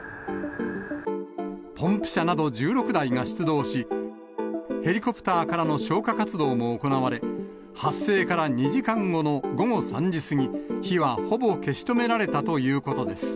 ポンプ車など１６台が出動し、ヘリコプターからの消火活動も行われ、発生から２時間後の午後３時過ぎ、火はほぼ消し止められたということです。